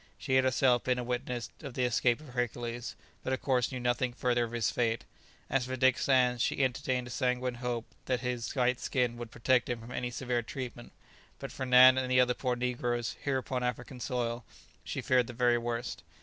She had herself been a witness of the escape of Hercules, but of course knew nothing further of his fate; as for Dick Sands, she entertained a sanguine hope that his white skin would protect him from any severe treatment; but for Nan and the other poor negroes, here upon African soil, she feared the very worst.